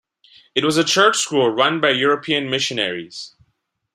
It was a church school run by European missionaries.